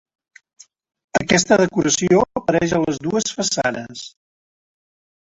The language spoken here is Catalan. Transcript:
Aquesta decoració apareix a les dues façanes.